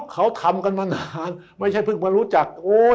เขาทำกันมานานไม่ใช่เพิ่งมารู้จัก